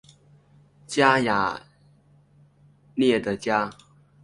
加雅涅的家。